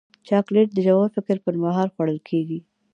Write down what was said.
چاکلېټ د ژور فکر پر مهال خوړل کېږي.